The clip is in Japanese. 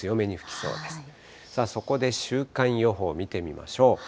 そこで週間予報見てみましょう。